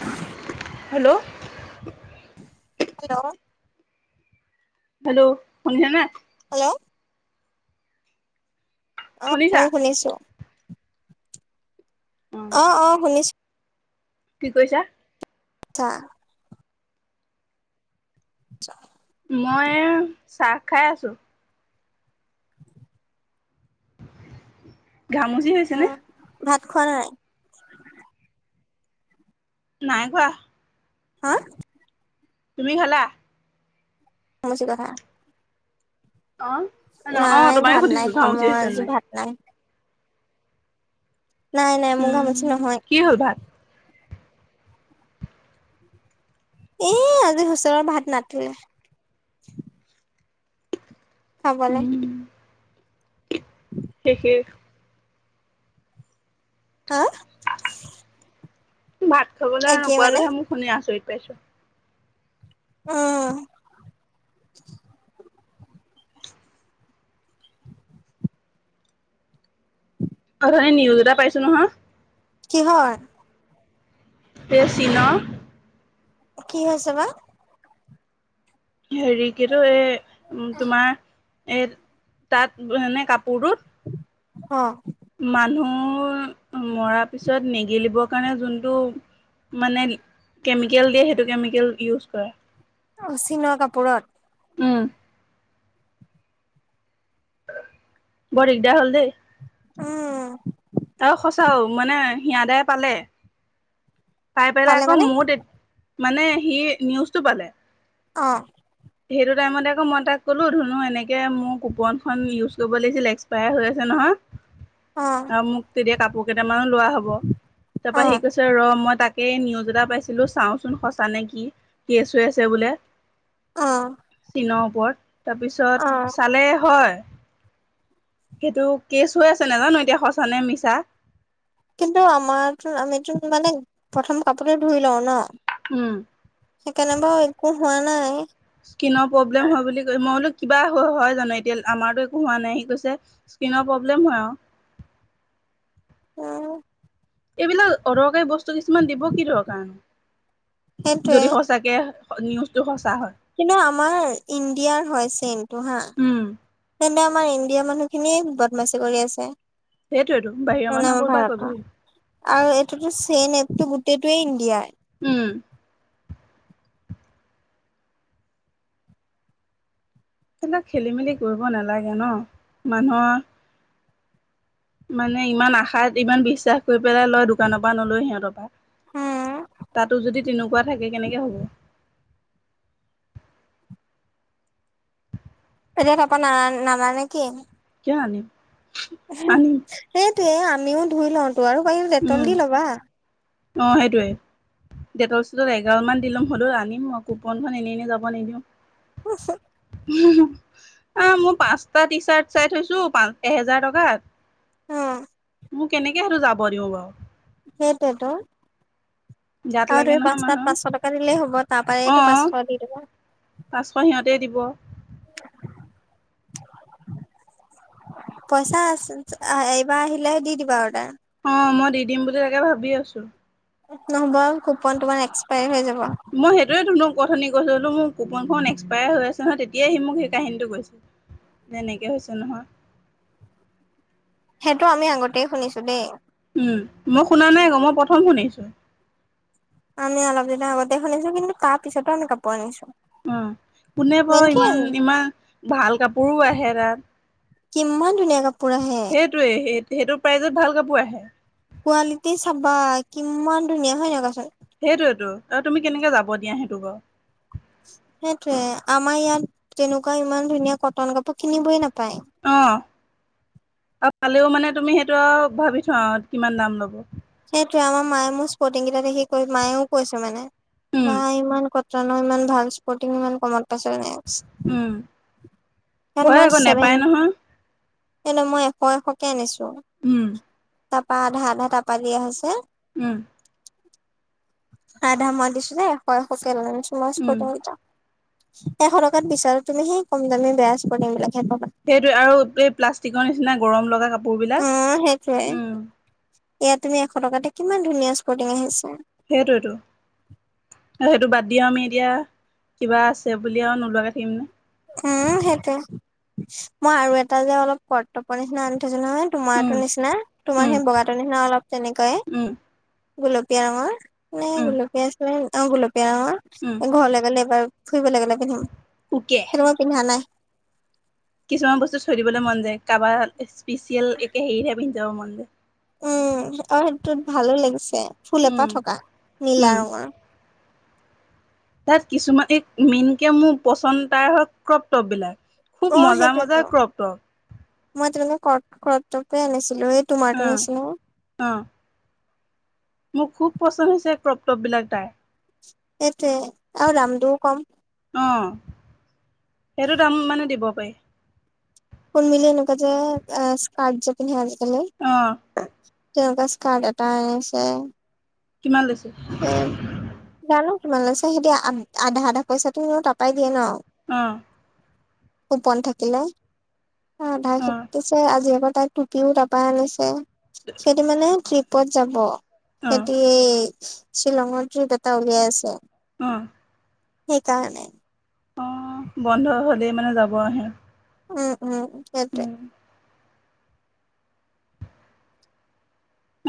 অ hello hello hello সন্ধিয়া না hello অ শুনিছা মই শুনিছো অ শুনিছো কি কৰিছা ত [unintelligible] মই চাহ খাই আছোঁ ঘামচি অ হৈছেনে ভাত খোৱা নাই নাই খোৱা হা তুমি খলা মজোগ হ অ অ নাই তোমাকে ভাত নাই সুধিছো খোৱা ম ঘামুচি হৈছে নে আজি ভাত নাই নাই নাই মোৰ গামুচি উম নহয় কি হ'ল ভাত এ আজি হুচৰৰ ভাত নাতিলেে খাবলৈ উম সে হা ভাত খাবলৈ একেই মানে নোপোৱাটোহে মোক শুনি আচৰিত পাইছো উ অধ নিউজ এটা পাইছো নহয় কি হয় তেেৰচিনা কি হৈছে বা হেৰি কিো এই তোমাৰ এই তাত এনেই কাপোৰটোত অ মানুহ মৰা পিছত নিগেলিবৰ কাৰণে যোনটো মানে কেমিকেল দিয়ে সেইটো কেমিকেল ইউজ কৰা অচি নোৱা কাপোৰত উম বৰ দিগদাৰ হ'ল দেই উম আৰু সঁচাও মানে হিয় দাই পালে পাই পেলাই পালে আকৌ মানে মোৰ মানে সি নিউজটো পালে অ [unintelligible] সেইটো টাইমতে আকৌ মই তাক ক'লোঁ ধুনো এনেকৈ মোৰ কুপনখন ইউজ কৰিব লাগিছিল এক্সপায়াৰ হৈ আছে নহয় অ অ মোক তেতিয়া কাপোৰ কেইটামানো লোৱা হব তাৰ অ পৰাৰা সি কৈছে ৰ মই তাকে নিউজ এটা পাইছিলোঁ চাওঁচোন সঁচা নে কি কেছ হৈ আছে বোলে অ চীনৰ ওপৰত তাৰপিছত অ চালে হয় সেইটো কেচ হৈ আছে নাজানো এতিয়া সঁচ নে মিছা কিন্তু আমাৰ আমিোন মানে প্ৰথম কাপোৰতে ধুই লওঁ ন উম। সেইকাৰনে বাৰু একো হোৱা নাই। কিনৰ প্ৰব্লেম হয় বুলি মই বোলো কিবা হয় জানো, এতিয়া আমাৰতো একো হোৱা নাই, সি কৈছে স্কিনৰ প্ৰব্লেম হয় আৰু। উম। এইবিলাক অদৰকাৰী বস্তু কিছুমান দিব কি দৰকাৰ সেইটোয়ে যদি সচাকে নিউজটো সঁচা হয়। কিন্তু আমাৰ ইণ্ডিয়াৰ হয় চেমটো হা? উম তেন্তে আমাৰ ইণ্ডিয়াৰ মানুহখিনিয়ে বদমাচি কৰি আছে। সেইটোয়েতো বাহিৰৰ মানে মানুহৰ আমাৰ ক'ৰ পৰা ভাৰাকা। কৰিবহি আৰু এইটোতো চেইন এপটো গোটেইটোৱে ইণ্ডিয়াৰ। উম। তেন্তে খেলি মেলি কৰিব নালাগে ন' মানুহৰ মানে ইমান আশাত, ইমান বিশ্বাস কৰি পেলাই লয়, দোকানৰপৰা নলৈ সিহঁতৰপা। উম তাতো যদি তেনেকুৱা থাকে কেনেকে হ'ব। এতিয়া তাৰপা না নানা নেকি? কিয় আনিম? আনিম সেইটোয়ে, আমিও ধুই লওঁতো আৰু পাহি ডেটল উম দি ল'বা। অ' সেইটোৱেই। ডেটল চেটল এঘালমান দি ল'ম হ'লেও আনি কুপনখন এনে এনেই যাব নিদিওঁ। [unintelligible] আ, মোৰ পাঁচটা টি চাৰ্ট চাই থৈছোঁ পাঁচ এহেজাৰ টকাত। উম মোক কেনেকে হেইটো যাব দিওঁ বাৰু। সেইটোৱেতো গাত আৰু লাগে তুমি নহয় পাঁচটাত মানুহৰ পাঁচশ টকা দিলেই হ'ব, অ তাৰপাইতো পাঁচশ দি দিব। পাঁচশ সিহঁতেই দিব। [inaudible] পইচা আছে, এইবাৰ আহিলেহে দি দিবা অৰ্ডাৰ। অ' মই দি দিম বুলি তাকে ভাবি আছোঁ। নহ'ব কুপন তোমাৰ এক্সপায় হৈ যাব। মই সেইটোৱে ধুনক অথনি কৈছিলোঁ মোৰ কুপনখন এক্সপায়াৰ হৈ আছে নহয়, তেতিয়াই সি মোক সেই কাহিনীটো কৈছে। তেনেকে হৈছে নহয়। সেইটো আমি আগতেই শুনিছোঁ দেই। উম, মই শুনা নাই আকৌ, মই প্ৰথম শুনিছোঁ। আমি অলপ দিনৰ আগতে শুনিছোঁ কিন্তু তাৰ পিছতো আমি কাপোৰ আনিছোঁ। উম, কোনে বাৰু ইমান ইমান ভাল কাপোৰো আহে তাত। কিমান ধুনীয়া কাপোৰ আহে। সেইটোৱে সেই-সেইটো প্ৰাইজত ভাল কাপোৰ আহে। কোৱালিটি চাবা কিমান ধুনীয়া হয় নাই কোৱাচোন? সেইটোয়েতো আৰু তুমি কেনেকে যাব দিয়া সেইটো বাৰু। সেইটোয়ে, আমাৰ ইয়াত তেনেকুৱা ইমান ধুনীয়া কটন কাপোৰ কিনিবয় নাপায়। অ' আৰু পালেও মানে তুমি সেইটো আৰু ভাবি চোৱা আৰু কিমান দাম ল'ব। সেইটোৱে, আমাৰ মায়ে মোৰ স্পৰ্টিং কেইটা দেখি কৈ মায়েও কৈছে মানে উম, বা ইমান ক কটনৰ ইমান ভাল স্পৰ্টিং ইমান কমত পাইছ এনেকে কৈছে। উম, হয় আকৌ নেপায় নহয়। সেইটো মই এশ এশকে আনিছোঁ। উম। তাৰপা আধা আধা তাৰপা দিয়া হৈছে। উম। আধা মই দিছোঁ দেই, এশ এশকে লৈ আনিছোঁ উম, স্পৰ্টিং কেইটা। এশ টকাত বিচাৰো তুমি সে কম দামে বেয়া স্পৰ্টিং বিলাকহে পাবা এইটো আৰু এই প্লাষ্টিকৰ নিচিনা গৰম লগা কাপ অ সেইটয়ে এয়া তুমি এশ টকাতে কিমান ধুনীয়া স্কুটিং আহিছা সেইটো এইটো আৰু সেইটো বাদ দিওঁ আমি এতিয়া কিবা আছে বুলি আৰু নোলোৱাকৈ থাকিম নে উম সেইটোৱে মই আৰু এটা যে অলপ কৰ্তপ নিচিনা আনি থৈছো নহয় উম, তোমাৰো নিচিনা তোমাৰ উম, সেই বগাৰ নিচিনা অলপ উম, তেনেকুৱয়ে গলপীয়া ৰঙৰ ন উম, গলপীয়া আ অ গলপীয়া উম, ন ঘৰলৈ গ'লে এবাৰ ফুৰিবলৈ গলে পিন্ধিম কে কিয় পিন্ধা নাই কিছুমান বস্তু থৈ দিবলৈ মন যায় কাৰোবাৰ স্পেচিয়েল একে হেৰিহে পিন্ধাব মন যায় উম অ সেইটোত ভালো লাগিছে ফুল এপাহ উম। থকা নীলা উম, ৰঙৰ তাত কিছুমান এই মেইনকে মোৰ পচন্দ তাৰ হ ক্ৰপটপ বিলাক খুব অ মজা মজা সেইটোয়েতো ক্ৰপ টপ মই তেনেকে কৰ কৰটকে আনিছিলো সেই অ অ মোৰ খুব পচন্দ হৈছে ক্ৰপটপ বিলাক তাইৰ সেইটোৱে আৰু ৰামদু কম অঁ সেইটো দাম মানে দিব পাৰে কোন মিল এনেকুৱ যে [unintelligible] যে পিনহে আজিকাল অঁ তেনেুৱা [unintelligible] এটা আনিছে কিমান লৈছে জানো তোমাল লৈ ছা সিদি আধা আধা পইচাটোও তাৰাপাই দিয়ে ন অ কোপন থাকিলে আধা অ', পিছে আজি আকৌ তাইৰ টুপিও তপা আনিছে সেইটো মানে ট্ৰিপত যাব অ', সিহতি শ্বিলঙৰ ট্ৰিপ এটা উলিয়াই আছে অ সেইকাৰণে অ বন্ধ হলেই মানে যাব আহি উম উম সেইটোয়ে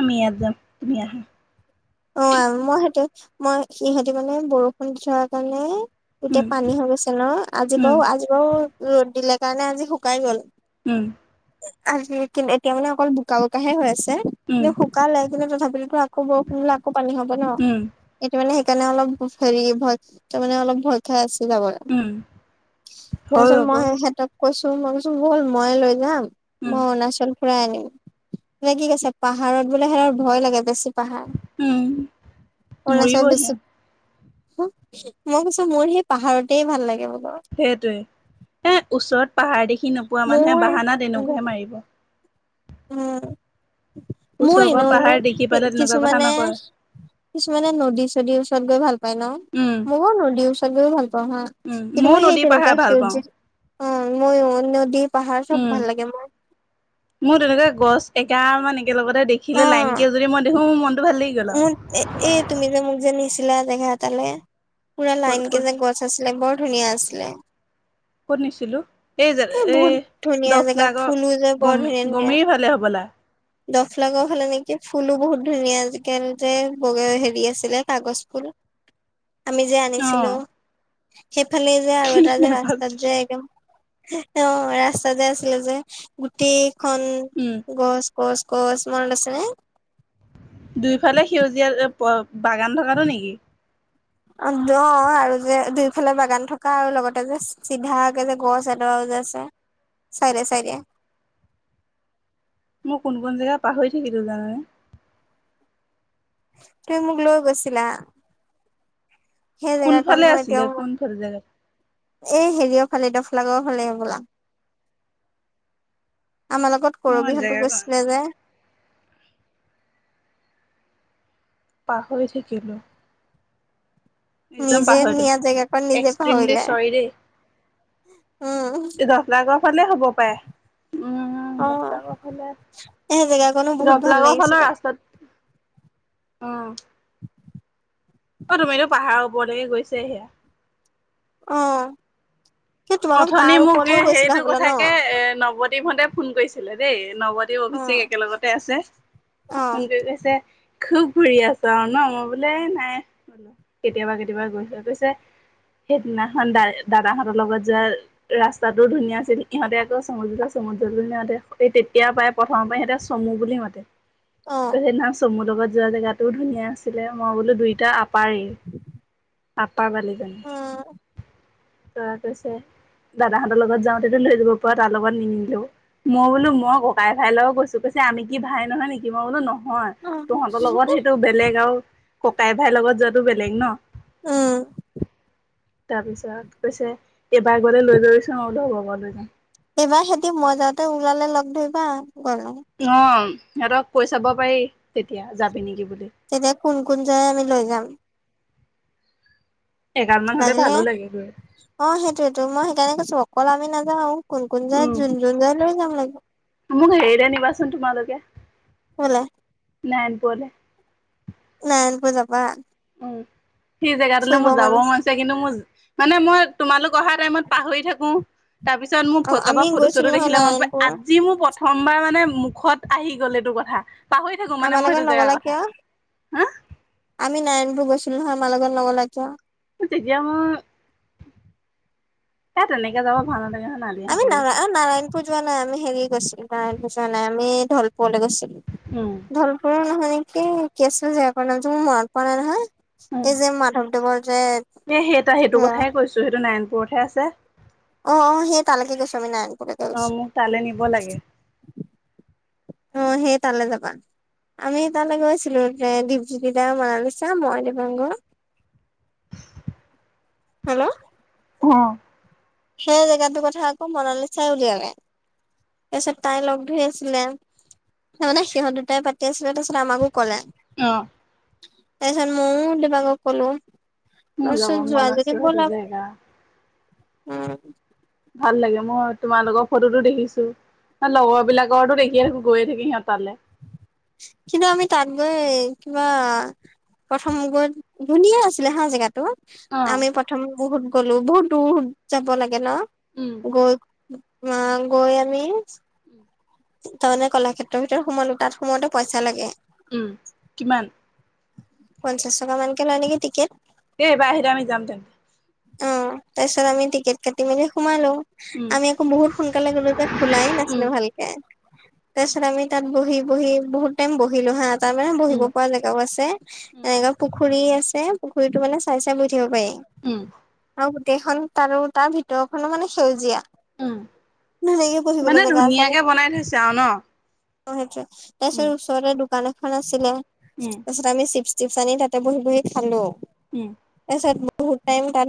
আমি ইয়াত যাম তুমি আহা অ মই সতে মই সিহতে মানে বৰষুণ দি থৰা কাৰণে এতিয়া উম, পানী হৈ গৈছে ন আজি উম, বাৰু আজি বাৰু ৰ'দ দিলে কাৰণে আজি শুকাই গ'ল উম আজি কিন এতিয়া মানে অকল বোকা বোকাহে হৈ আছে। উম, কিন্তুু শুক কালে কিন্তু তথাপিতোতো আকৌ বৰষুণ দিলে আকৌ পানী হ'ব ন! উম, এইটো মানে সেইকাৰণে অলপ হেৰি ভজ ত মানে অলপ ভজ খাই আছে যাবলে। উম, তাৰ হয় পিছত মই আকৌ এহেঁতক কৈছো মই কৈছো বল ময়ে লৈ যাম, উম, মই অৰুণাচল ফুৰাই আনিম। নে কি কৈছে, পাহাৰত বোলে সেৰ' ভয় লাগে, বেছি পাহাৰ। উম। অৰুণাচল মৰিবহে বেছি। হু, মই কৈছো মোৰ সেই পাহাৰতেই ভাল লাগে বোলো। সেইটোৱে এ, ওচৰত পাহাৰ দেখি নোপোৱা মানুহে মোৰ বাহানা তেনেকুৱাহে মাৰিব। হু। মো ওচৰৰ পৰা ইনৌ যে, পাহাৰ দেখি কে পালে তেনেকুৱা কথা কিছুমানে নকয়। কিছুমানে নদী চদীৰ ওচৰত গৈ ভাল পায় ন? উম, মোৰো নদী ওচৰত গৈ ভাল পাওঁ হাঁ। উম, কিন্তু ময়ো মই সেই নদী তেনেকুৱা পাহাৰ ভাল পাওঁ। সেউজীয়া অ', ময়ো, নদী, পাহাৰ চব উম, ভাল লাগে মৰ। মোৰ তেনেকুৱা গছ এগালমান একেলগতে অ দেখিলে লাইনকে যদি মই দেখো, মোৰ মনটো ভাল লাগি গ'ল আৰু। এ, এ, তুমি যে মোক যে নিছিলা জেগা এটালে, পুৰা ক'ত, ক'ত, লাইনকে যে গছ আছিলে, বৰ ধুনীয়া আছিলে! ক'ত নিছিলোঁ? এই যে, এ এই, বহুত ধুনীয়া জেগা ফুলো যে [unintelligible] ফালে হ'বলা। দফলাগড় ফালে নেকি! ফুলো বহুত ধুনীয়া! আজিকালি যে, বগা হেৰি আছিলে, কাগজ ফুল। [inaudible] আমি যে অ', আনিছিলোঁ, সেইফালেই যে আৰু কিন্তু এটা যে ৰাস্তাত যে, নেপাইছিলি। একদম অ'! ৰাস্তা যে আছিলে যে, গোটেইখন উম, গছ। গছ-গছ, মনত আছেনে? দুয়োফালে সেউজীয়া, [unintelligible] বাগান থকাটো নেকি? অ'! দ আৰু যে দুইফালে বাগান থকা আৰু লগতে যে চিধাকে যে, গছ এডৰাও যে আছে, চাইডে-চাইডে। মই কোন- কোন জেগা পাহৰি থাকিলোঁ, জানেনে? তুমি মোক লৈ গৈছিলা। সেই, জেগাকন কোনফালে মই আছিলে এতিয়াও কোনফালে জেগাত এই, হেৰিয়ৰ ফালে, দফলাগড় ফালে হ'বলা। আমাৰ লগত মই কৰবীহঁতো জেগা গৈছিলে যে। পাহৰি থাকিলোঁ। একদম নিজে পাহৰিলোঁ, নিয়া জেগাকন নিজে এক্সট্ৰিমলি পাহৰিলে চৰি দেই! উম দফলাগড় ফালে, হ'ব পাৰে! উম। উম, অ দফলাগড় ফালে, সেই জেগাকনো বহুত ভাল দফলাগড় ফালে, লাগিছিলে ৰাস্তাত। অ'! অ'! তুমিতো পাহাৰৰ ওপৰলৈকে গৈছে, সেয়া। অ'! সেই তোমালোক অঠনি তাৰ মোক, ওপৰলৈও গৈছিলা সেইটো হ'বলা ন কথাকে, নৱদ্বীপ হঁতে ফোন কৰিছিলে দেই, নৱ এ, অ', অভিষেক একেলগতে আছে। ফোন অ', কৰি কৈছে, খুউব ঘুৰি আছ আৰু ন'? মই বোলে নাই। বোলো কেতিয়াবা, কেতিয়াবা গৈছ, গৈছে। সেইদিনাখন, দা, দাদাহঁতৰ লগত যায়। ৰাস্তাটোও ধুনীয়া আছিল! ইহঁতে আকৌ, চমজিত চমুজ্জলৈ যাওঁতে, সেই তেতিয়াপাই প্ৰথম পাই, সিহঁতে চমো‌ বুলি মাতে। অ'! সেইনাখন, চমো লগত যোৱা, জেগাটোও ধুনীয়া আছিলে! মই বোলোঁ, দুইটা পাৰি। আপ্পাৰ বালিজান। অ', তৰপৰা, কৈছে! দাদাহঁতৰ লগত যাওঁতেটো, লৈ যাব পাৰা? তাৰ লগত নিনিলেও। মই বোলোঁ, মই ককাই-ভাইৰ লগত গৈছোঁ, কৈছে! আমি কি ভাই নহয়, নেকি? মই বোলোঁ, নহ হয়, তহঁতৰ লগত সেইটো বেলেগ আৰু ককাই ভাইৰ লগত যোৱাটো বেলেগ ন'! উম! তাৰপিছত, কৈছে! এইবাৰ গ'লে, লৈ যাবিচোন? মই বোলোঁ, হ'ব বাৰু লৈ যাম। এইবাৰ হেঁতি, মই যাওঁতে, ওলালে লগ ধৰিবা, গ'লে। অ'! সিহঁতক কৈ চাব পাৰি, তেতিয়া যাবি নেকি, বুলি। তেতিয়া, কোন কোন যায়, আমি লৈ যাম। এগালমান হ'লে, লাগিলে ভালো লাগে গৈ! অ'! সেইটোৱেটো, মই সেইকাৰণে কৈছোঁ! অকল আমি নাযাওঁ। কোন-কোন যায়, উম যোন-যোন যায়, লৈ যাম লাগিলে। মোক হেৰিলে নিবাচোন তোমালোকে? ক'লে? নাৰায়ণপুৰলে। নাৰায়ণপুৰ যাবা? উম, সেই জেগাটোলে, মোৰ যাব মন আছে! কিন্তু মোৰ, মানে মই, তোমালোক অহা টাইমত পাহৰি থাকোঁ। তাৰপিছত, মোৰ আমি কাৰোবাৰ গৈছিলো ফটো-চটো নহয় দেখিলে, মনত পৰে! নাৰায়ণপুৰ। আজি মোৰ প্ৰথমবাৰ মানে, মুখত আহি গ'ল, এইটো কথা। পাহৰি থাকোঁ, মানে আমাৰ মই লগত সেইটো জেগাৰ নগ'লা কথা। কিয়? হা আমি নাৰায়ণপুৰ গৈছিলোঁ নহয়, [unintelligible] তেতিয়া মোৰ, সেই, তেনেকে যাব ভাল নালাগে! আমি নালিহঁতো গৈছে নাৰা-নাৰায়ণপুৰ যোৱা নাই, আমি হেৰি গৈছিলো, নাৰায়ণপুৰ যোৱা নাই, আমি ঢলপুৱলৈ গৈছিলো। উম। ঢলপুৰৰ নহয় নেকি, কি আছিল হেইকাৰণে মোৰ মনত পৰা নাই উম নহয়। এই যে মাধৱদেবৰ যে এ সেই সেইটো হেয়া। কথাই কৈছো সেইটো নাৰায়ণপুৰতহে আছে। অ', অ' সেই তালৈকে গৈছোঁ, আমি নাৰায়ণপুৰলৈকে অ মোক তালৈ নিব গৈছোঁ। [inaudible] অ' সেই তালে যাবা। আমি তালৈ গৈছিলো, দীপজ্যোতি দা, মনালিচা, দীপাংকৰ। হেল্ল'। অ'। সেই জেগাটোৰ কথা আকৌ মনালীচাই উলিয়ালে। তাৰপিছত তাই লগ ধৰি আছিলে, তাৰমানানে সিহঁত দুটাই পাতি আছিলে, তাৰপিছত আমাকো ক'লে। অ'। তাৰপিছত ময়ো দিবাকক ক'লো। মই মোৰ যাব কৈছোঁ যোৱা মন আছে যদি সেইটো বলা, জেগা উম। ভাল লাগে, মই তোমালোকৰ ৰ ফটোটো দেখিছোঁ। লগৰ বিলাকৰতো দেখিয়ে থাকোঁ, গৈয়ে থাকে সিহঁত তালে। কিন্তু আমি তাত গৈ কিবা প্ৰথম গৈ, ধুনীয়া আছিলে হা, জেগাটো। অ আমি প্ৰথমে বহুত গ'লো, বহুত দূৰত যাব লাগে ন'? উম। গৈ তুমা গৈ আমি উম। তাৰমানে কলাক্ষেত্ৰৰ ভিতৰত সোমালোঁ, তাত সোমালে পইচা লাগে। উম, কিমান? পঞ্চাশ টকা মানকে লয় নেকি টিকেট। এ, এইবাৰ আহিলে আমি যাম দে। অ' তাৰপিছত আমি টিকেট কাটি মেলি সোমালোঁ, উম আমি বহুত সোনকালে গ'লো যে খোলাই উম নাছিলে ভালকে। তাৰপিছত আমি তাত বহি বহি, বহুত টাইম বহিলো হা। তাৰমানে উম বহিবপৰা জেগাও আছে, উম এনেকা পুখুৰী আছে, পুখুৰীটো মানে চাই চাই বহি থাকিব পাৰি। উম। আ, গোটেইখন তাৰো তাৰ ভিতৰখনো মানে সেউজীয়া। উম ধুনীয়াকে বহিবলে জেগা আছে আমি যাওঁ ন'? অ' সেইটোয়ে, তাৰপিছত উম ওচৰতে দোকান এখন আছিলে, উম তাৰপিছত আমি চিপ টিপছ আনি তাতে বহি বহি খালোঁ। উম। তাৰপিছত বহুত টাইম তাত